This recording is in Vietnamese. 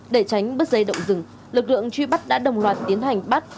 để tránh bất dây động rừng lực lượng truy bắt đã đồng loạt tiến hành bắt